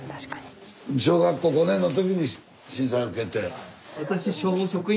小学校５年の時に震災受けて。